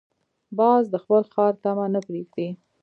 باز د خپل ښکار طمع نه پرېږدي